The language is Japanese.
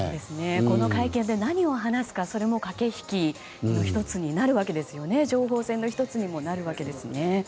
この会見で何を話すかそれも駆け引きの１つになるわけで情報戦の１つになるわけですね。